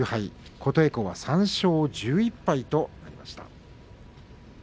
琴恵光は３勝１１敗となりました。